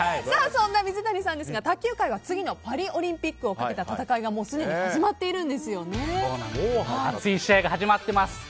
そんな水谷さんですが卓球界は次のパリオリンピックをかけた戦いが熱い試合が始まっています。